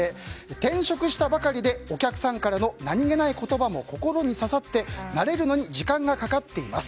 転職したばかりでお客さんからの何げない言葉も心に刺さって慣れるのに時間がかかっています。